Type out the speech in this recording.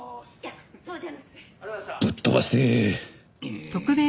ぶっとばしてえ！